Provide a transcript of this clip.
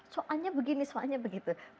soalnya begini soalnya begitu